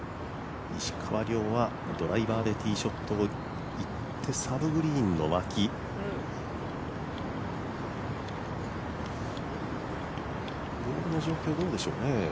石川遼はドライバーでティーショットをいってサブグリーンの脇ボールの状況、どうでしょうね。